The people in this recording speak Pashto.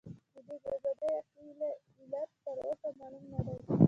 د دې ګډوډۍ اصلي علت تر اوسه معلوم نه دی.